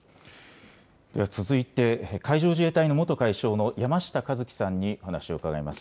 では続いて海上自衛隊の元海将の山下万喜さんにお話を伺います。